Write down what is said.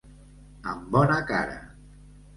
Amb bona cara.